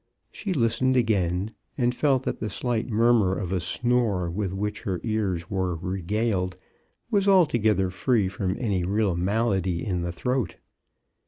She listened again, and felt that the slight murmur of a snore with which her ears were regaled was altogether free from any real malady in the throat.